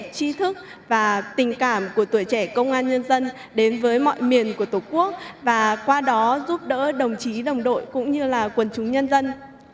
trí thức và tình cảm của tuổi trẻ công an nhân dân đến với mọi miền của tổ quốc và qua đó giúp đỡ đồng chí đồng đội cũng như là quần chúng nhân dân